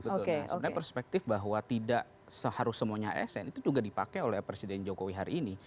sebenarnya perspektif bahwa tidak seharusnya asn itu juga dipakai oleh presiden jokowi hari ini